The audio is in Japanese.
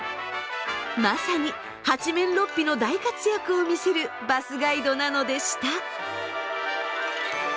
まさに八面六臂の大活躍を見せるバスガイドなのでした。